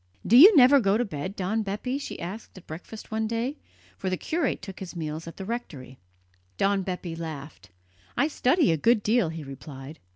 "Do you never go to bed, Don Bepi?" she asked at breakfast one day, for the curate took his meals at the rectory. Don Bepi laughed. "I study a good deal," he replied.